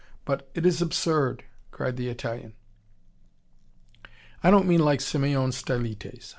But it is absurd!" cried the Italian. "I don't mean like Simeon Stylites.